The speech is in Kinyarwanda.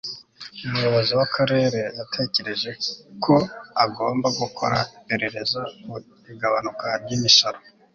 umuyobozi w'akarere yatekereje ko agomba gukora iperereza ku igabanuka ry'imisoro